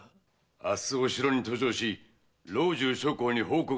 明日お城に登城し老中諸公に報告いたす。